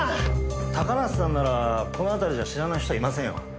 高梨さんならこの辺りじゃ知らない人はいませんよ。